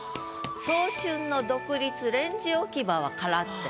「早春の独立レンジ置き場は空」って。